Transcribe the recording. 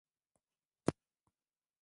inafuatia hatua la bunge la nchi hiyo